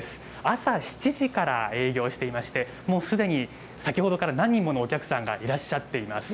朝７時から営業していまして、もうすでに先ほどから何人ものお客さんがいらっしゃっています。